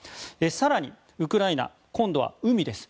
更に、ウクライナ今度は海です。